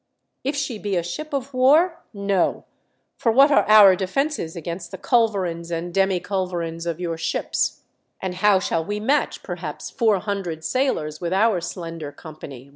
"If she be a ship of war — no ; for what are our defences against the culverins and demi culverins of your ships, and how shall we match perhaps four hundred sailors with our slender company